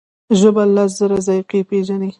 ژبه لس زره ذایقې پېژني.